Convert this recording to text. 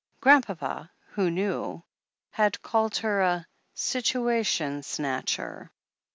Grandpapa, who knew, had called her "a situation snatcher."